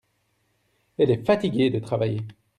Elle est fatiguée de travailler.